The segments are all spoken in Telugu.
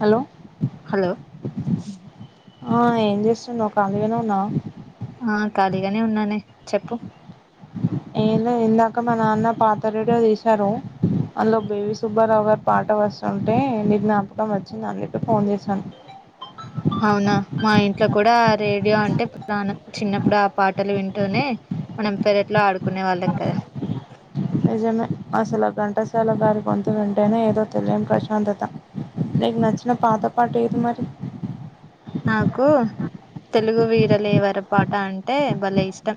హలో హలో ఆ ఏం చేస్తున్నావ్ ఖాళీగానే ఉన్నావా ఆ ఖాళీగానే ఉన్నానే చెప్పు ఏమ్ లే ఇందాక మా నాన్న పాత రేడియో తీశారు. అందులో బేబీ సుబ్బారావు గారు పాట వస్తుంటే ని జ్ఞాపకం వచ్చింది. అందుకే ఫోన్ చేశాను అవునా మా ఇంట్లో కూడా రేడియో అంటే ప్రాణం చిన్నప్పుడు ఆ పాటలు వింటూనే మనం పెరట్లో ఆడుకునే వాళ్ళం. కదా నిజమే అసలు ఆ ఘంటసాల గారి పాట వింటేనే ఏదో తెలియని ప్రశాంతత నీకు నచ్చిన పాత పాట ఏది మరి నాకు తెలుగు వీరలేవరి పాట అంటే భలే ఇష్టం.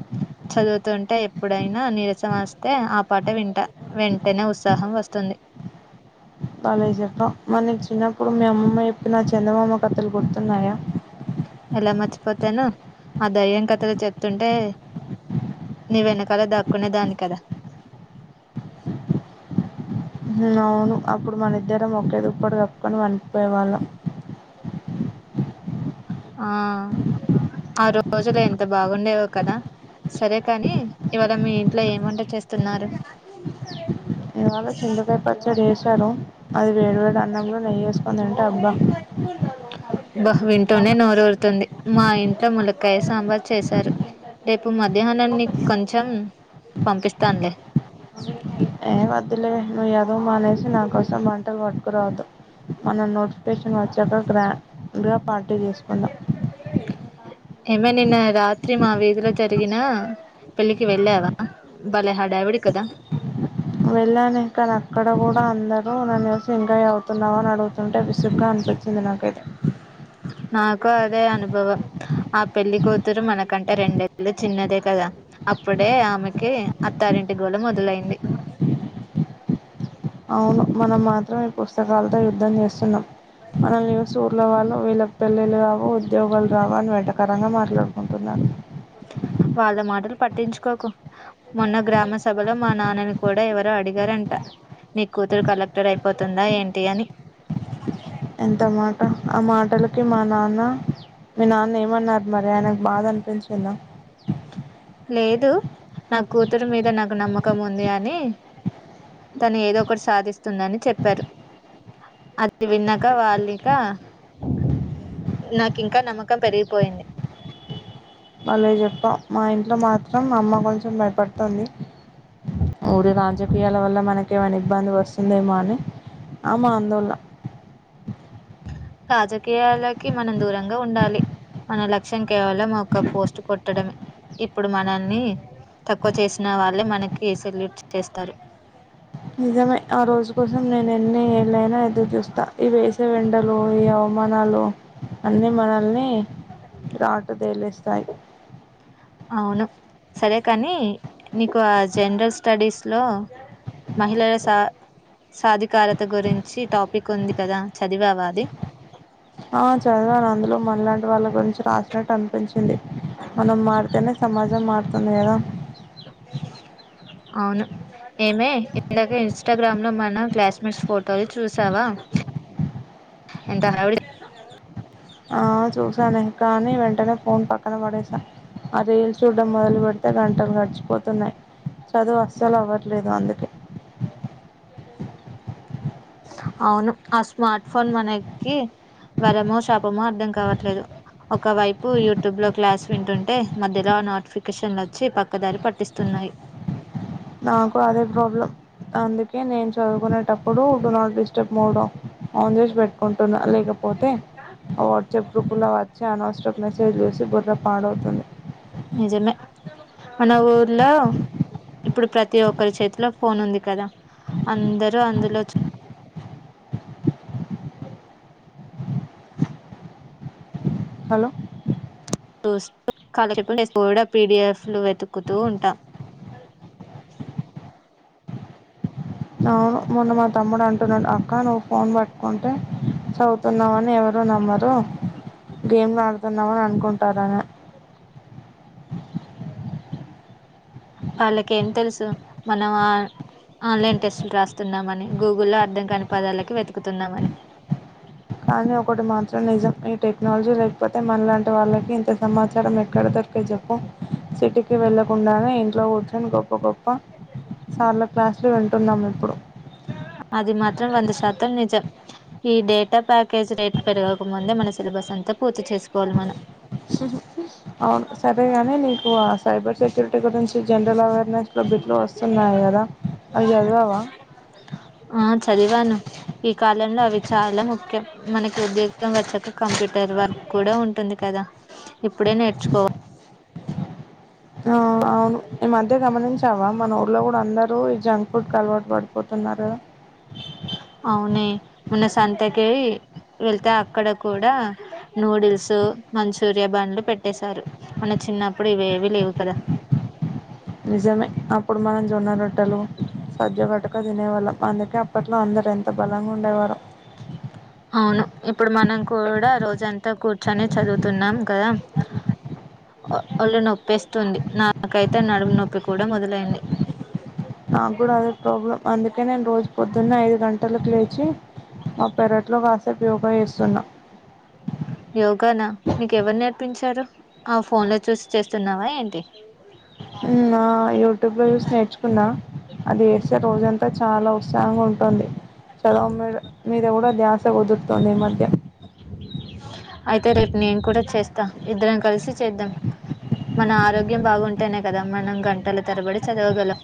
చదువుతుంటే ఎప్పుడైనా నీరసం వస్తే ఆ పాట వింట వేంటనే ఉత్సాహం వస్తుంది. బలే చెప్పావు మరి నీకు చిన్నప్పుడు మీ అమ్మమ్మ చెప్పినా చందమామ కథలు గుర్తున్నాయా ఎలా మర్చిపోతానో ఆ దైయం కథలు చెప్తుంటే నీ వెనకాల దాక్కునేదాన్ని కదా అవును అప్పుడు మన ఇద్దరం ఒకేదిప్పటి కప్పుకొని పండుకునే వాళ్ళం. ఆ ఆ రోజులు ఎంత బాగుండేవో కదా సరే కాని ఇవాళ మీ ఇంట్లో ఏ వంట చేస్తున్నారు. ఇవాళ చింతకాయ పచ్చడి చేశారు. అది వేడివేడి అన్నంలో నెయ్యేసుకోని తింటె అబ్బా అబ్బా వింటూనే నోరొరుతుంది. మా ఇంట్లో ములక్కయ సాంబార్ చేశారు. రేపు మధ్యాహ్నాన్ని కొంచెం పంపిస్తానులే. ఏమ్ వద్దులే నువ్వు చేస్తే నువ్వు మానేసి నా కోసం వంటలు పట్టుకురావద్దు. మనం నోటిఫికేషన్ వచ్చాక గ్రాండ్గా పార్టీ చేసుకుందాం. ఏమే నిన్న రాత్రి మా వీధిలో జరిగినా పెళ్ళికి వెళ్ళావా బలే హాడవిడి కదా వెళ్ళాను వంకాయ కలుపుతున్నావా అని అడుగుతుంటే విసుగ్గా అనిపించింది. నాకైతే నాకు అదే అనుభవం ఆ పెళ్లి కూతురు మనకంటే రెండేళ్ళు చిన్నదే కదా అప్పుడే ఆమెకి అత్తారింటి గోళ మొదలైంది. అవును మనం మాత్రం ఈ పుస్తకాలతో యుద్ధం చేస్తున్నాం మనల్ని చూసి మన వాళ్ళు వీళ్ళకి పెళ్ళళ్లు రావు ఉద్యోగులు రావు అని వెటకరంగా మాట్లాడుకుంటున్నారు వాళ్ళ మాటలు పట్టించుకోకు మొన్న గ్రామ సభలో మా నాన్నని కూడా ఎవరో అడిగారంట నీ కూతురు కలెక్టర్ అయిపోతుందా ఏంటి అని ఎంత మాట ఆ మాటలకి మా నాన్న మీ నాన్న ఏమన్నారు మరి ఆయనకు బాధ అనిపించిందా లేదు నా కూతురు మీద నాకు నమ్మకం ఉంది అని తను ఏదో ఒకటి సాధిస్తుందని చెప్పారు అది విన్నాక వాళ్ళక నాకు ఇంకా నమ్మకం పెరిగిపోయింది మళ్ళే చెప్పాం మా ఇంట్లో మాత్రం అమ్మ కొంచెం భయపడుతుంది ఊరి రాజకీయాల వల్ల మనకేమైనా ఇబ్బంది వస్తుందేమో అని ఆ మా అందోళన రాజకీయాలకి మనం దూరంగా ఉండాలి మన లక్ష్యం కేవలం ఒక పోస్ట్ కొట్టడమే ఇప్పుడు మనల్ని తక్కువ చేసిన వాళ్ళే మనకి సెల్యూట్ చేస్తారు నిజమే ఆ రోజు కోసం నే ఎన్ని ఏళ్ళైనా ఎదురు చూస్తా ఈ వేసవి వెండలు ఈ అవమానాలు అన్ని మనల్ని రాట్దేలేసి సయి అవును సరే కానీ నీకు ఆ జనరల్ స్టడీస్లో మహిళల సా సాధికారత గురించి టాపిక్ ఉంది కదా చదివావా అది ఆ చదవాని అందులో మనలాంటి వాళ్ళ గురించి రాసినట్టు అనిపించింది మనం మారితేనే సమాజం మారుతుంది కదా అవును ఏమే ఇందాక ఇన్స్టాగ్రామ్ లో మన క్లాస్మేట్స్ ఫోటోలు చూసావా ఎంత ఆవి ఆ చూసానే కానీ వెంటనే ఫోన్ పక్కన పడేసి ఆ రైలు చూడ్డం మొదలు పెడితే గంటలు గడిచిపోతున్నాయి చదువు అస్సలు అవ్వట్లేదు అందుకే అవును ఆ స్మార్ట్ ఫోన్ మనకి వరమో శాపమో అర్థం కావట్లేదు ఒకవైపు యూట్యూబ్ లో క్లాస్ వింటుంటే మధ్యలో నోటిఫికేషన్లు వచ్చి పక్కదారి పట్టిస్తున్నాయి నాకు అదే ప్రాబ్లమ్ అందుకే నేను చదువుకునేటప్పుడు డు నాట్ డిస్టర్బ్ మోడం ఆన్ చేసి పెట్టుకుంటున్నా లేకపోతే వాట్సప్ గ్రూపులో వచ్చి అనవసరుపు మెసేజ్ చూసి బుర్ర పాడవుతుంది నిజమే మన ఊర్లో ఇప్పుడు ప్రతి ఒక్కరి చేతిలో ఫోన్ ఉంది కదా అందరు అందులో హలో స్కాలర్షిప్ కూడా పీడిఎఫ్లు వెతుకుతూ ఉంటాం మొన్న మా తమ్ముడు అంటున్నాడు అక్క నువ్వు ఫోన్ పట్టుకుంటే చదువుతున్నావని ఎవరు నమ్మరు గేమ్ ఆడుతున్నామని అనుకుంటారని వాళ్ళకేం తెలుసు మనం ఆ ఆన్లైన్ టెస్టులు రాస్తున్నామని గూగుల్లో అర్థం కాని పదాలకి వెతుకుతున్నామని కానీ ఒకటి మాత్రం నిజం ఈ టెక్నాలజీ లేకపోతే మనలాంటి వాళ్ళకి ఇంత సమాచారం ఎక్కడ దొరికే చెప్పు సిటీకి వెళ్ళకుండానే ఇంట్లో కూర్చొని గొప్ప గొప్ప సార్ల క్లాసులు వింటున్నాము ఇప్పుడు అది మాత్రం వంద శాతం నిజం ఈ డేటా ప్యాకేజ్ రేట్ పెరగక ముందే మన సిలబస్ అంతా పూర్తి చేసుకోవాలి మనం అవును సరేగాని నీకు సైబర్ సెక్యూరిటీ గురించి జనరల్ అవేర్ అవి చదివావా ఆ చదివాను ఈ కాలంలో అవి చాలా ముఖ్యం మనకి ఉద్యోగం వచ్చాక కంప్యూటర్ వర్క్ కూడా ఉంటుంది కదా ఇప్పుడే నేర్చుకోవాలి. ఆహ్ అవును ఈ మధ్య గమనించావా మన ఊళ్లో కూడా అందరూ ఈ జంక్ ఫుడ్ అలవాటు పడిపోతున్నారు. అవునే మొన్న సంతకి వెళ్తే అక్కడ కూడా నూడిల్స్ మంచూరియా బండ్లు పెట్టేశారు మన చిన్నప్పుడు ఇవి ఏవి లేవు కదా. నిజమే అప్పుడు మనం జొన్న రొట్టెలు సజ్జగట్టుక తినేవాళ్ళం అందుకే అప్పట్లో అందరూ ఎంత బలంగా ఉండేవారో. అవును ఇప్పుడు మనం కూడా రోజంతా కూర్చొని చదువుతున్నాం కదా ఒళ్ళు నొప్పిస్తుంది నాకైతే నడుము నొప్పి కూడా మొదలైంది. నాకు కూడా అదే ప్రాబ్లం అందుకే నేను రోజు పొద్దున్న ఐదు గంటలకు లేచి మా పెరట్లో కాసేపు యోగా చేస్తున్నా. యోగానా నీకు ఎవరు నేర్పించారు ఆ ఫోన్ లో చూసి చేస్తున్నావా ఏంటి. ఉమ్ ఆహ్ యూట్యూబ్ లో చూసి నేర్చుకున్నా అది ఎడ్ రోజంతా చాలా ఉత్సాహంగా ఉంటుంది చదువు మీద మీద కూడా ధ్యాస కుదురుతుంది ఈ మధ్య అయితే రేపు నేను కూడా చేస్తా ఇద్దరం కలిసి చేద్దాం మన ఆరోగ్యం బాగుంటేనే కదా మనం గంటల తరబడి చదవగలం.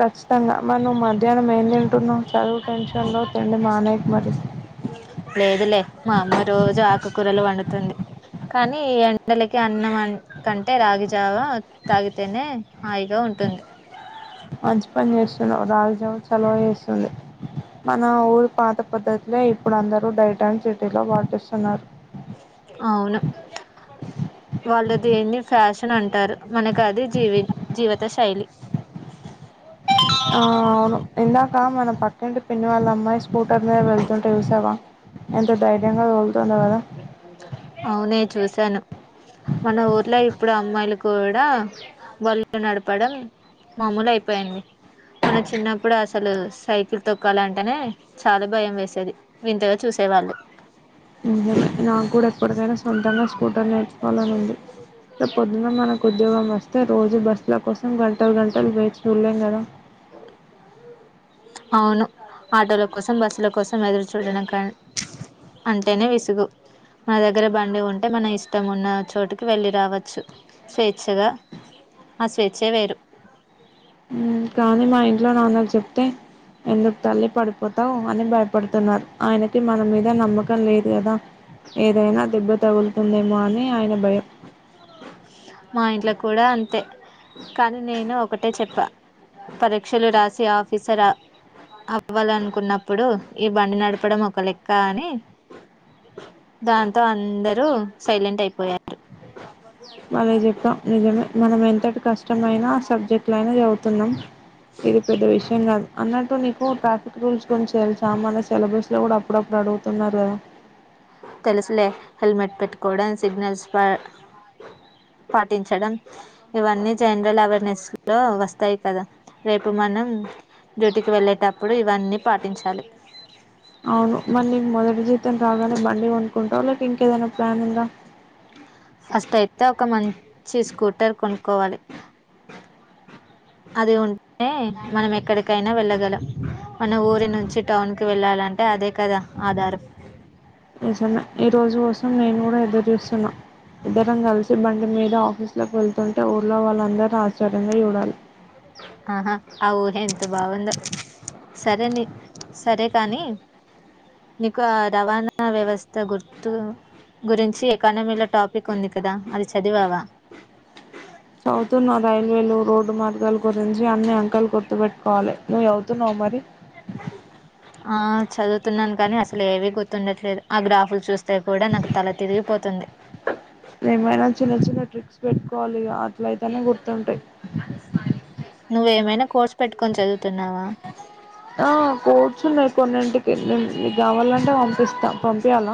ఖచ్చితంగా మరి నువ్వు మధ్యాహ్నం ఏం తింటున్నావు చదువు టెన్షన్లో తిండి మానేయకు మరి. లేదులే మా అమ్మ రోజు ఆకు కూరలు వండు వండుతుంది కానీ ఈ ఎండలకి అన్నం కంటే రాగిజావ తాగితేనే హాయిగా ఉంటుంది. మంచి పని చేస్తున్నావు రాగిజవ సలవ చేస్తుంది మన ఊరు పాత పద్ధతిలే ఇప్పుడు అందరు డైట్ అండ్ సిటీలో పాటిస్తున్నారు. అవును వాళ్ళు దేన్ని ఫ్యాషన్ అంటారు మనకు అది జీవి జీవిత శైలి. ఆ అవును ఇందాక మన పక్కింటి పిన్నివాళ్ళ అమ్మాయి స్కూటర్ మీద వెళ్తుంటే చూసావా ఎంత ధైర్యంగా తోలు అవునే చూసు తాను మన ఊర్లో ఇప్పుడు అమ్మాయిలు కూడా బళు నడపడం మామూలు అయిపోయింది మన చిన్నప్పుడు అసలు సైకిల్ తొక్కాలంటేనే చాలా భయం వేసేది వింతగా చూసేవాళ్ళు. నాకు కూడా ఎప్పుడుకైన సొంతంగా స్కూటర్ నేర్ కోవాలి అని ఉంది రేపు పొద్దున్న మనకు ఉద్యోగం వస్తే రోజు బస్సుల కోసం గంటలు గంటలు వేచి చూలేం కదా. అవును ఆటోల కోసం బస్సుల కోసం ఎదురు చూడడం కం అంటేనే విసుగు మన దగ్గర బండి ఉంటే మన ఇష్టం ఉన్న చోటుకి వెళ్ళి రావచ్చు స్వేచ్ఛగా ఆ స్వేచ్ఛే వేరు ఉమ్ కానీ మా ఇంట్లో నాన్నకి చెప్తే ఎందుకు తల్లి పడిపోతావు అని భయపడుతున్నారు ఆయనకి మన మీద నమ్మకం లేదు కదా. ఏదైనా దెబ్బ తగులుతుందేమో అని ఆయన భయం. మా ఇంట్లో కూడా అంతే కానీ నేను ఒకటే చెప్పా పరీక్షలు రాసి ఆఫీసర్ ఆ అవ్వాలనుకున్నప్పుడు ఈ బండి నడపడం ఒక లెక్క అని దాంతో అందరూ సైలెంట్ అయిపోయారు. భలే చెప్పాం నిజమే మనం ఎంతటి కష్టమైన ఆ సబ్జెక్టులైనా చదువుతున్నాం. ఇది పెద్ద విషయం కాదు అన్నట్టు నీకు ట్రాఫిక్ రూల్స్ తేలుసా మన సిలబస్ లో కూడా అప్పుడప్పుడు అడుగుతున్నారు కదా. తెలుసులే హెల్మెట్ పెట్టుకోవడం సిగ్నల్స్ పా పాటించడం ఇవన్నీ జనరల్ అవేర్నెస్ లో వస్తాయి కదా రేపు మనం డ్యూటీకి వెళ్ళేటప్పుడు ఇవన్నీ పాటించాలి. అవును మరి నీకు మొదటి జీత్ తం రాగానే బండి కొంట్ కుంటా లేక ఇంకేదైనా ప్లాన్ ఉందా ఫస్ట్ అయితే ఒక మంచి స్కూటర్ కొనుక్కోవాలి అది ఉంటే మనం ఎక్కడికైనా వెళ్ళగలం మన ఊరి నుంచి టౌన్ కి వెళ్ళాలంటే అదే కదా ఆధారం. నిజమే ఈ రోజు కోసం నేను కూడా ఎదురు చూస్తున్నా ఇద్దరం కలిసి బండి మీద ఆఫీసులోకి వెళ్తుంటే ఊర్లో వాళ్ళందరూ ఆశ్చర్యంగా చూడాలి. ఆహా ఆ ఉహ ఎంత బాగుందో సరేని సరే కానీ నీకు ఆ రవాణా వ్యవస్థ గుర్తు గురించి ఎకానమీలో టాపిక్ ఉంది కదా అది చదివావా. చదువుతున్నా రైల్వేలు రోడ్డు మార్గాలు గురించి అన్ని అంకలు గుర్తుపెట్టుకోవాలి నువ్వు అవుతున్నావ మరి ఆ చదువుతున్నాను కానీ అసలు ఏవీ గుర్తుండట్లేదు ఆ గ్రాఫులు చూస్తే కూడా నాకు తల తిరిగిపోతుంది. ఏమైనా చిన్న చిన్న ట్రిక్స్ పెట్టుకోవాలి అట్లయితేనే గుర్తుంటాయి. నువ్వేమైనా కోర్స్ పెట్టుకొని చదువుతున్నావా. ఆ కోడ్స్ ఉన్నాయి కొన్నింటికి నేనుకు కావాలంటే పంపిస్తా పంపించాల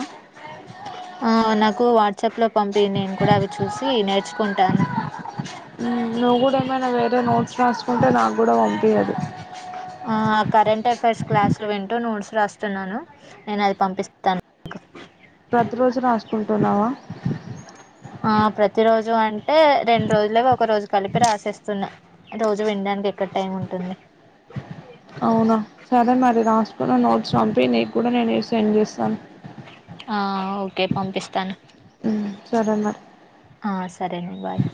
ఆ నాకు వాట్సాప్ లో పంపి నేను కూడా అవి చూసి నేర్చుకుంటాను నువ్వు కూడా ఏమైనా వేరే నోట్స్ రాసుకుంటే నాకు కూడా పంపిదు ఆ కరెంట్ అఫైర్స్ క్లాసులు వింటూ నోట్స్ రాస్తున్నాను నేను అది పంపిస్తాను కొద్ది రోజులు రాసుకుంటున్నావా ఆ ప్రతి రోజు అంటే రెండు రోజులుగా ఒక రోజు కలిపి రాసేస్తున్నా రోజు వినడానికి ఎక్కడ టైం ఉంటుంది అవునా సరే మరి రాసుకున్న నోట్స్ పంపి నీకు కూడా నేనే సెండ్ చేస్తాను ఆ ఓకే పంపిస్తాను సరే మరి ఆ సరేనే బాయ్